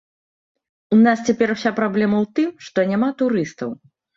У нас цяпер уся праблема ў тым, што няма турыстаў.